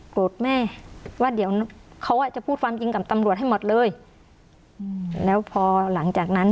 แม่ว่าเดี๋ยวเขาอ่ะจะพูดความจริงกับตำรวจให้หมดเลยแล้วพอหลังจากนั้น